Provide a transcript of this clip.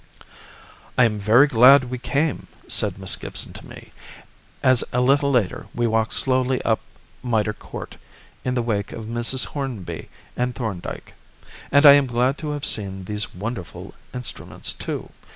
"I am very glad we came," said Miss Gibson to me, as a little later we walked slowly up Mitre Court in the wake of Mrs. Hornby and Thorndyke; "and I am glad to have seen these wonderful instruments, too.